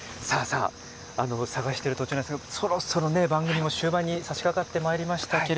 探している途中ですがそろそろ番組も終盤にさしかかってまいりました。